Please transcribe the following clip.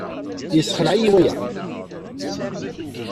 Yessexleɛ-iyi waya.